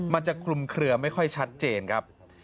มันจะคลุมเคลือไม่ค่อยชัดเจนครับ